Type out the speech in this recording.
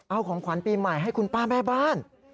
เอาของขวัญปีใหม่ให้คุณป้าแม่บ้าน